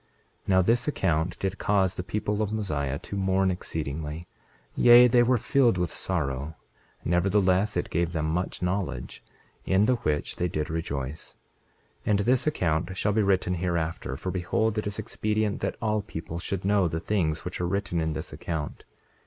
28:18 Now this account did cause the people of Mosiah to mourn exceedingly, yea, they were filled with sorrow; nevertheless it gave them much knowledge, in the which they did rejoice. 28:19 And this account shall be written hereafter; for behold, it is expedient that all people should know the things which are written in this account.